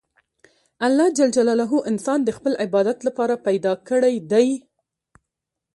الله جل جلاله انسان د خپل عبادت له پاره پیدا کړى دئ.